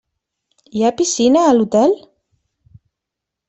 Hi ha piscina a l'hotel?